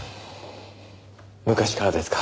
昔からですか。